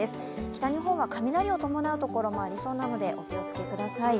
北日本は雷を伴うところもありそうなので、お気をつけください。